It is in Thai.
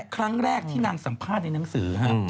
ครั้งแรกที่นางสัมภาษณ์ในหนังสือ